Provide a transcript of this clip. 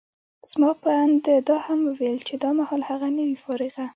زما په اند، ده دا هم وویل چي دا مهال هغه، نه وي فارغه.